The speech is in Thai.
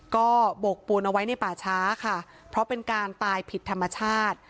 ก็บกปูนเอาไว้ในป่าช้าค่ะเพราะเป็นการตายผิดธรรมชาติ